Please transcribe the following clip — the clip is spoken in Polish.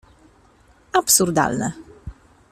absurdalne.